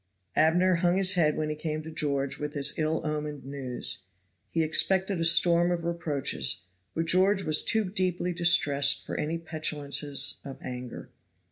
Abner hung his head when he came to George with this ill omened news. He expected a storm of reproaches. But George was too deeply distressed for any petulances of anger.